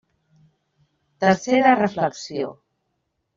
Tercera reflexió.